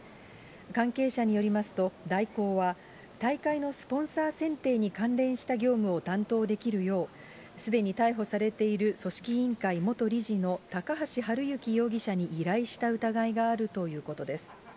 関係者によりますと、大広は大会のスポンサー選定に関連した業務を担当できるよう、すでに逮捕されている組織委員会元理事の高橋治之容疑者に依頼した疑いがあるということです。